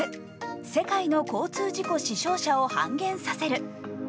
世界の交通事故死傷者を半減させる。